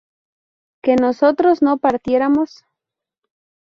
¿que nosotros no partiéramos?